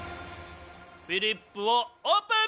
フリップをオープン！